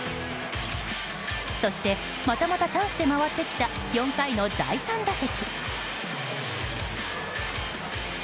そして、またまたチャンスで回ってきた４回の第３打席。